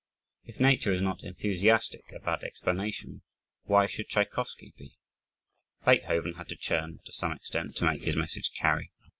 If nature is not enthusiastic about explanation, why should Tschaikowsky be? Beethoven had to churn, to some extent, to make his message carry.